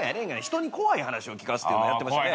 人に怖い話を聞かすっていうのをやってましてね。